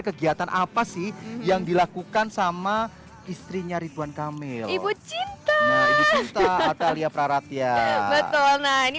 kegiatan apa sih yang dilakukan sama istrinya ridwan kamil nah ibu cinta atalia praratia betul nah ini